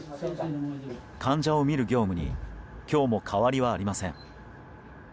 患者を診る業務に今日も変わりはありません。